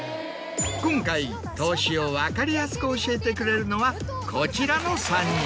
今回投資を分かりやすく教えてくれるのはこちらの３人。